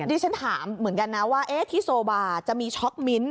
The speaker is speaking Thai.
ที่ฉันถามเหมือนกันนะว่าที่โซบาจะมีช็อกมิ้นท